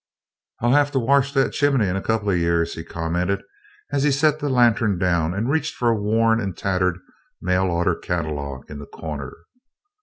"I'll have to warsh that chimbly in a couple o' years," he commented as he set the lantern down and reached for a worn and tattered mail order catalogue in the corner.